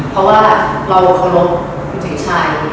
เพราะว่าเราโอเคราะห์คุณจี๋งชัย